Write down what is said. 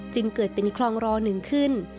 จึงเกิดเป็นคลองรอ๑ขึ้น